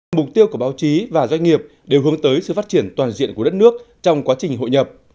mục tiêu của báo chí và doanh nghiệp đều hướng tới sự phát triển toàn diện của đất nước trong quá trình hội nhập